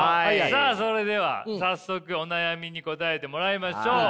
さあそれでは早速お悩みに答えもらいましょう。